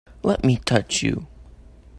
Let me touch you!